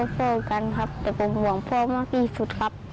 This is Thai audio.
สู้กันครับแต่ผมห่วงพ่อมากที่สุดครับ